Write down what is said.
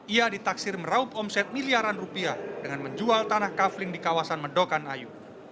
ia ditaksir meraut omset miliaran rupiah dengan menjual tanah kafling di kawasan medokan ayu